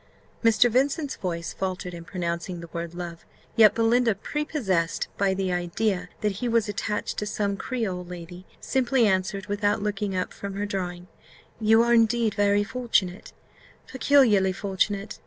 Mr. Vincent's voice faltered in pronouncing the word love; yet Belinda, prepossessed by the idea that he was attached to some creole lady, simply answered, without looking up from her drawing, "You are indeed very fortunate peculiarly fortunate.